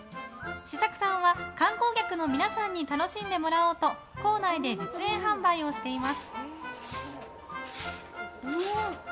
四作さんは観光客の皆さんに楽しんでもらおうと構内で実演販売をしています。